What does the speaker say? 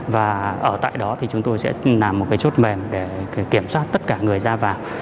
và ở tại đó thì chúng tôi sẽ làm một cái chốt mềm để kiểm soát tất cả người ra vào